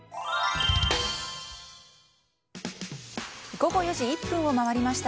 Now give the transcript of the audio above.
午後４時１分を回りました。